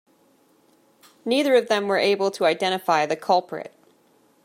Neither of them were able to identify the culprit.